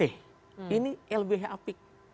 ini lbh apik